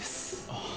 ああ。